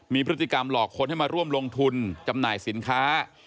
มีพฤติกรรมหลอกคนให้มาร่วมลงทุนจำหน่ายสินค้า